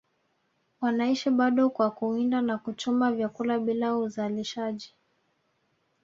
wanaishi bado kwa kuwinda na kuchuma vyakula bila uzalishaji